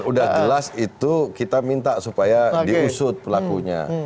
udah jelas itu kita minta supaya diusut pelakunya